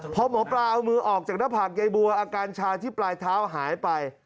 พอหมอปลาเอามือออกจากหน้าผากยายบัวอาการชาที่ปลายเท้าหายไป